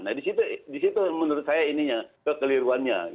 nah di situ menurut saya ininya kekeliruannya